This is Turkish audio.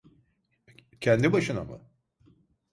Kendi başına mı?